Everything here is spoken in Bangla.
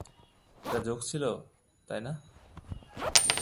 এটা জোক ছিলো, তাই না?